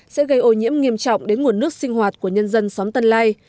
sẽ gây ô nhiễm nghiêm trọng đến nguồn nước sinh hoạt của nhân dân xóm tân lai